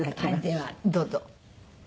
ではどうぞ。